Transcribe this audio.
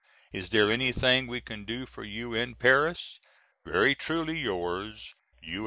Is there anything we can do for you in Paris? Very truly yours, U.